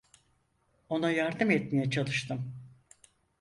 Ona yardım etmeye çalıştım.